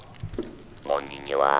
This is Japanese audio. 「こんにちは。